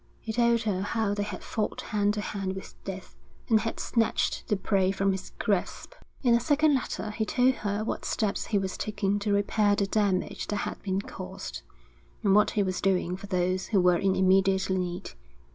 He told her how they had fought hand to hand with death and had snatched the prey from his grasp. In a second letter he told her what steps he was taking to repair the damage that had been caused, and what he was doing for those who were in immediate need.